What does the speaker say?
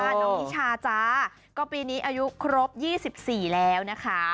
น้องนิชาจ้าก็ปีนี้อายุครบ๒๔แล้วนะคะ